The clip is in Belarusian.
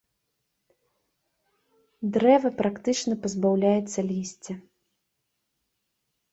Дрэва практычна пазбаўляецца лісця.